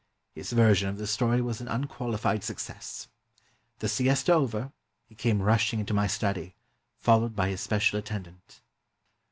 His version of the story was an unqualified success. The siesta over, he came rushing into my study, followed by his special attendant.